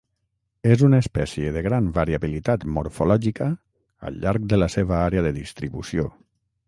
És una espècie de gran variabilitat morfològica al llarg de la seva àrea de distribució.